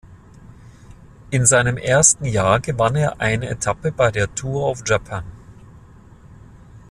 In seinem ersten Jahr gewann er eine Etappe bei der Tour of Japan.